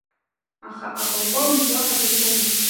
Аха аполковник уаҳа дырбомызт.